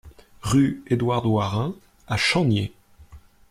Rue Edward Warin à Champniers